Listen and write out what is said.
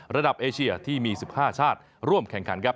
เอเชียที่มี๑๕ชาติร่วมแข่งขันครับ